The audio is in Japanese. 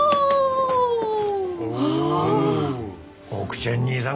ちゃん兄さん